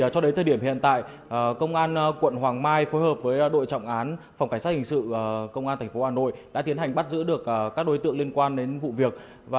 cho đến thời điểm hiện tại công an quận hoàng mai phối hợp với đội trọng án phòng cảnh sát hình sự công an tp hà nội đã tiến hành bắt giữ được các đối tượng liên quan đến vụ việc